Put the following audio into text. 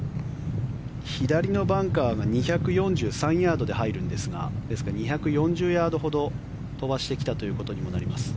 左のバンカーが２４３ヤードで入るんですがですから、２４０ヤードほど飛ばしてきたことになります。